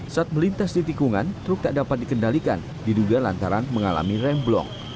saat melintas di tikungan truk tak dapat dikendalikan diduga lantaran mengalami remblong